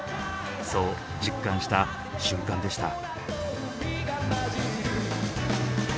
そう実感した瞬間でした。